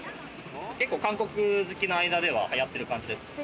韓国好きの間では、流行ってる感じですか？